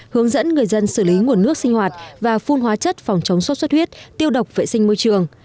hướng dẫn người dân xử lý nguồn nước sinh hoạt và phun hóa chất phòng chống sốt xuất huyết tiêu độc vệ sinh môi trường